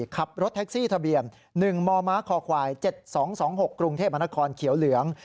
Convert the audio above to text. ขับรถแท็กซี่ทะเบียน๑มมคค๗๒๒๖กรุงเทพมนครเขียวเหลือง